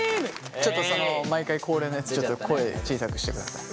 ちょっとその毎回恒例のやつちょっと声小さくしてください。